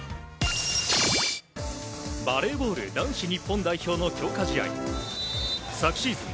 バレーボール男子日本代表の強化試合。昨シーズン